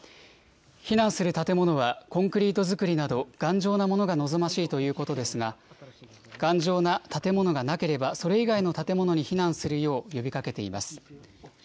避難する建物は、コンクリート造りなど、頑丈なものが望ましいということですが、頑丈な建物がなければ、それ以外の建物に避難するよう呼びかけています。